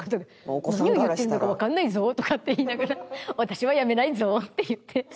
「何を言ってんだかわかんないゾ」とかって言いながら「私はやめないゾ」って言って。